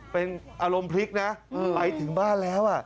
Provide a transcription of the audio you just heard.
เป็นอารมณ์พลิกนะไปถึงบ้านแล้ว